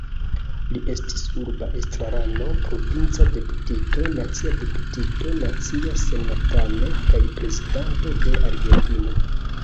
Li estis urba estrarano, provinca deputito, nacia deputito, nacia senatano kaj Prezidento de Argentino.